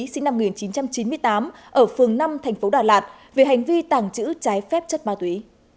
sinh năm một nghìn chín trăm chín mươi tám ở phường năm tp hcm về hành vi tàng trữ trái phép chất ma túy